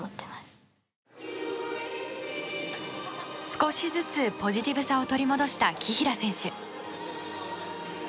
少しずつポジティブさを取り戻した、紀平選手。